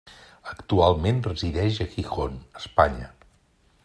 Actualment resideix a Gijón, Espanya.